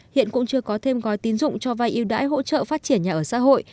hiện cũng chưa có thêm gói tín dụng cho vai yêu đãi hỗ trợ phát triển nhà ở xã hội